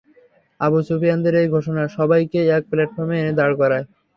আবু সুফিয়ানের এই ঘোষণা সবাইকে এক প্লাটফর্মে এনে দাঁড় করায়।